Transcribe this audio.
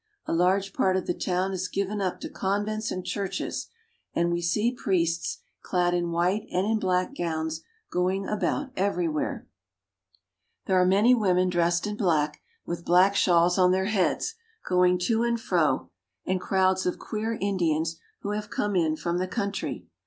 A large part of the town is given up to convents and churches, and we see priests, clad in white and in black gowns, going about everywhere. 48 ECUADOR. There are many women dressed In black, with black shawls on their heads, going to and fro, and crowds of queer Indians who have come in from the country.